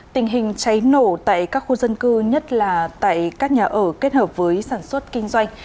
tình hình cháy nổ tại các khu dân cư nhất là tại các nhà ở kết hợp với sản xuất kinh doanh